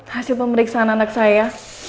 hasil pemeriksaan anak saya